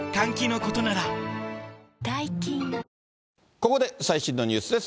ここで最新のニュースです。